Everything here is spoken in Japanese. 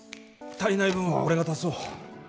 足りない分は俺が足そう。